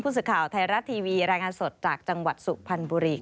พูดสุดข่าวไทยรัตน์ทีวีรายงานสดจากจังหวัดสุพรรณบุรีค่ะ